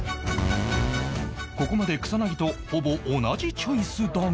ここまで草薙とほぼ同じチョイスだが